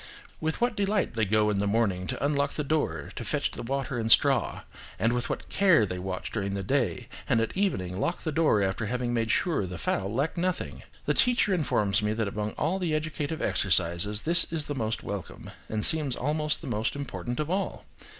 With what delight they go in the morning to unlock the door, to fetch water and straw, and with what care they watch during the day, and at evening lock the door after having made sure that the fowl lack nothing! The teacher informs me that among all the educative exercises this is the most welcome, and seems also the most important of all.